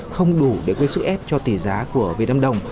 không đủ để gây sức ép cho tỷ giá của việt nam đồng